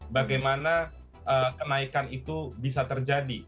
bagaimana kenaikan itu bisa terjadi